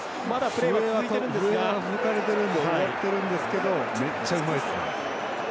笛は吹かれてるので分かってるんですけどめっちゃうまいですね。